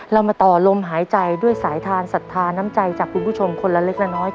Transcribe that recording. เรามาต่อลมหายใจด้วยสายทานศรัทธาน้ำใจจากคุณผู้ชมคนละเล็กละน้อย